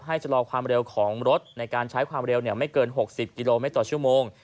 ให้จะรอความเร็วของรถในการใช้ความเร็วเนี่ยไม่เกินหกสิบกิโลเมตรชั่วโมง